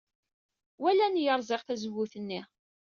Walan-iyi rẓiɣ tazewwut-nni.